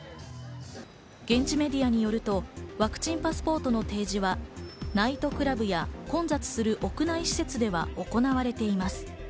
現地メディアによると、ワクチンパスポートの提示はナイトクラブや混雑する屋内施設では行われています。